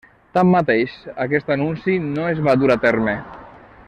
Tanmateix aquest anunci no es va dur a terme.